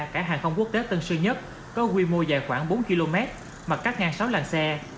cảng hàng không quốc tế tân sơn nhất có quy mô dài khoảng bốn km mặt cắt ngang sáu làng xe